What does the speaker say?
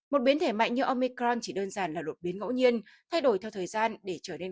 một biến thể mạnh như omicron chỉ đơn giản là đột biến ngẫu nhiên thay đổi theo thời gian để trở nên